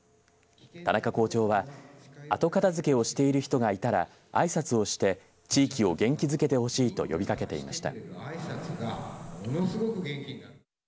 田中校長は後片づけをしている人がいたらあいさつをして、地域を元気づけてほしいと呼びかけていました。